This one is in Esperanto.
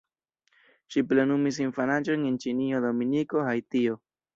Ŝi plenumis infanaĝon en Ĉinio, Dominiko, Haitio.